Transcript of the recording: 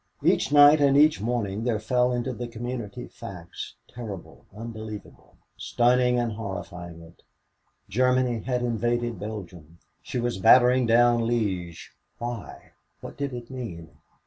Each night and each morning there fell into the community facts terrible, unbelievable stunning and horrifying it. Germany had invaded Belgium. She was battering down Liège. Why, what did it mean?